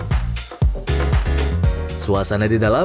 suasana di dalamnya kita bisa makan di area luar dan dalam